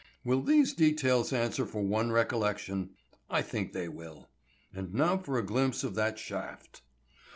Will these details answer for one recollection? I think they will. And now for a glimpse of that shaft."